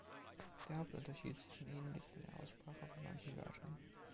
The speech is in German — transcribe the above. Der Hauptunterschied zwischen ihnen liegt in der Aussprache von manchen Wörtern.